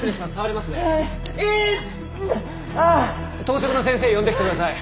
当直の先生呼んできてください。